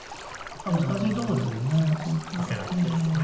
難しいとこですよね。